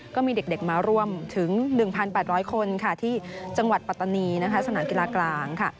ก็มีเด็กมาร่วมถึง๑๘๐๐คนที่จังหวัดปัตตานีสนานกีฬากลาง